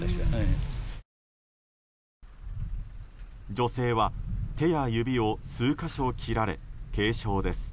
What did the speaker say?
女性は、手や指を数か所切られ軽傷です。